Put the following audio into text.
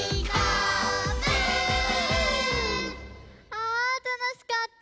あたのしかった！